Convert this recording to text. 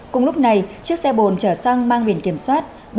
cùng lúc này chiếc xe bồn trở sang mang biển kiểm soát